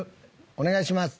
お願いします。